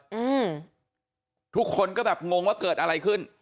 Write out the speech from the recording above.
อืมทุกคนก็แบบงงว่าเกิดอะไรขึ้น